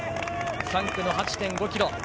３区の８．５ｋｍ。